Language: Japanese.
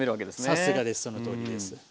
さすがですそのとおりです。